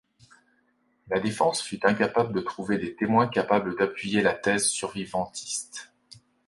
La défense fut incapable de trouver des témoins capables d'appuyer la thèse survivantiste.